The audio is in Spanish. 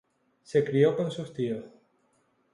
Se crio con sus tíos.